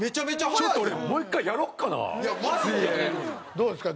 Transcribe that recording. どうですか？